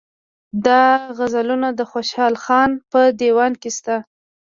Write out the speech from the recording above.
دا غزلونه د خوشحال خان په دېوان کې شته.